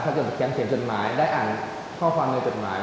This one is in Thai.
ถ้าจะไปเข้าเข็มจดหมายได้อ่านข้อความในจดหมาย